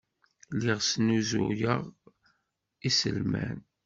Lliɣ snuzuyeɣ iselman.